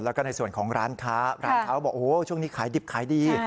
แล้วก็ในส่วนของร้านค้าร้านเขาบอกโอ้โหช่วงนี้ขายดิบขายดี